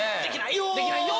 できないよー。